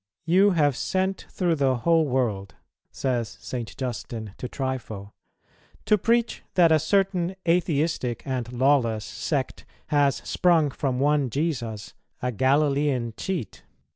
"You have sent through the whole world," says St. Justin to Trypho, "to preach that a certain atheistic and lawless sect has sprung from one Jesus, a Galilean cheat."